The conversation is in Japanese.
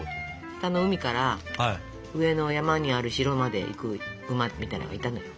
下の海から上の山にある城まで行く馬みたいなのがいたのよ。